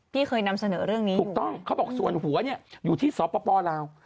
ที่เคยนำเสนอเรื่องนี้ถูกต้องเขาบอกส่วนหัวเนี่ยอยู่ที่สปลาว